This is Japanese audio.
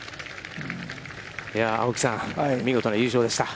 青木さん、見事な優勝でした。